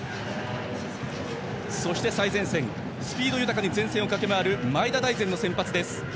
そして、最前線スピード豊かに前線を駆け回る前田大然の先発です。